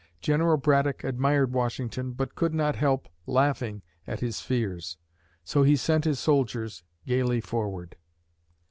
General Braddock admired Washington, but could not help laughing at his fears. So he sent his soldiers gayly forward.